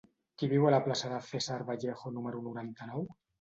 Qui viu a la plaça de César Vallejo número noranta-nou?